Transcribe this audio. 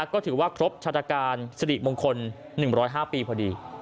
ก็ถือว่าครบชาตรการสิริมงคล๑๐๕ปีพอดี